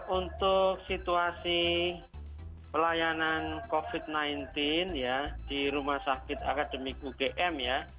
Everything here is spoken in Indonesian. untuk situasi pelayanan covid sembilan belas di rumah sakit akademik ugm ya